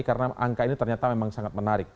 karena angka ini ternyata memang sangat menarik